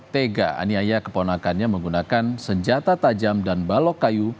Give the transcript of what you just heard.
tega aniaya keponakannya menggunakan senjata tajam dan balok kayu